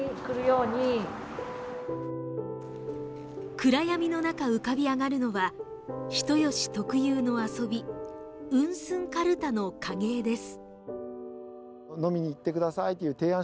暗闇の中、浮かび上がるのは人吉特有の遊び、ウンスンカルタの影絵です。